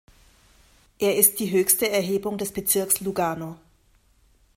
Er ist die höchste Erhebung des Bezirks Lugano.